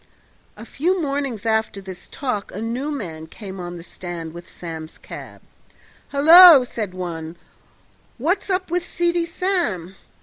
A few mornings after this talk a new man came on the stand with Sam's cab. "Halloo!" said one, "what's up with Seedy Sam?"